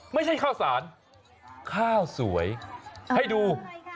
ไม่ใช่ข้าวสารข้าวสวยให้ดู